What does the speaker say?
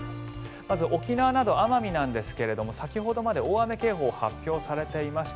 まず沖縄など奄美なんですが先ほどまで大雨警報が発表されていました。